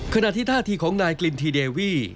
ขณะที่ท่าทีของนายกลินทีเดวี่